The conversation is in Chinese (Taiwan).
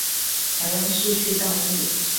台灣市區道路